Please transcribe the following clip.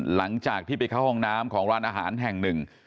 หลังจากที่ไปเข้าห้องน้ำของร้านอาหารแห่งหนึ่ง